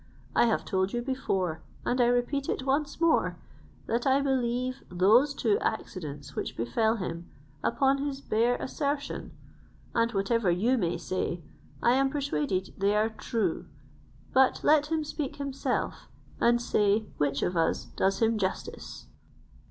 I have told you before, and I repeat it once more, that I believe those two accidents which befell him, upon his bare assertion; and whatever you may say, I am persuaded they are true; but let him speak himself, and say which of us does him justice."